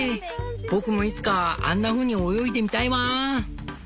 僕もいつかあんなふうに泳いでみたいわぁん」。